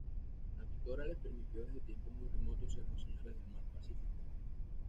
La totora les permitió desde tiempos muy remotos ser los "señores del Mar Pacífico".